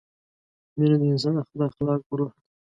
مینه د انسان د اخلاقو روح ده.